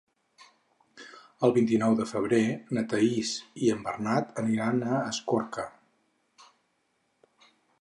El vint-i-nou de febrer na Thaís i en Bernat aniran a Escorca.